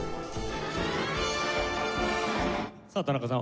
さあ田中さん